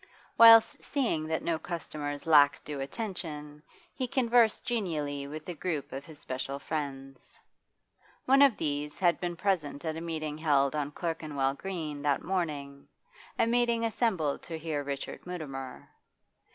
Whilst seeing that no customer lacked due attention, he conversed genially with a group of his special friends. One of these had been present at a meeting held on Clerkenwell Green that morning, a meeting assembled to hear Richard Mutimer.